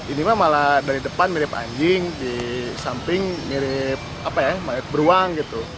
ini mah malah dari depan mirip anjing di samping mirip apa ya beruang gitu